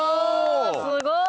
すごい！